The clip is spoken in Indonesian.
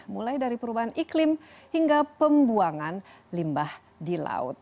mulai dari perubahan iklim hingga pembuangan limbah di laut